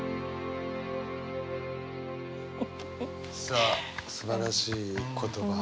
さあすばらしい言葉。